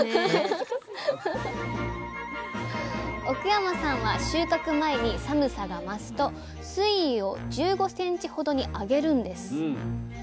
奥山さんは収穫前に寒さが増すと水位を１５ｃｍほどに上げるんです。